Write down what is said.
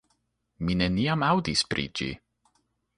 Mi neniam aŭdis pri ĝi!